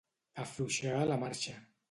Afluixar la marxa.